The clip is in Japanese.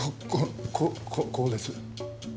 こうです。